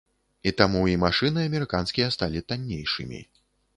І таму і машыны амерыканскія сталі таннейшымі.